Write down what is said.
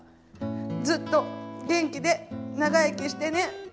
ずっと元気で長生きしてね。